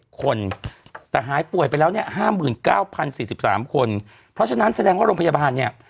คนแต่หายป่วยไปแล้วเนี่ย๕๙๐๔๓คนเพราะฉะนั้นแสดงว่าโรงพยาบาลเนี่ย